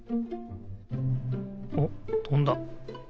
おっとんだ。